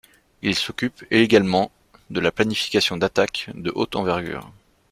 Il s'occupe également de la planification d'attaques de haute envergure.